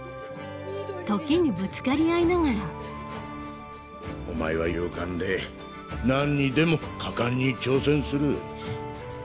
時にぶつかり合いながらお前は勇敢でなんにでも果敢に挑戦する。